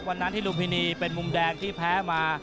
วันนั้นที่ลุมพินีเป็นมุมแดงที่แพ้มา